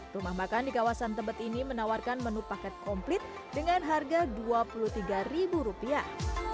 rumah makan di kawasan tebet ini menawarkan menu paket komplit dengan harga dua puluh tiga ribu rupiah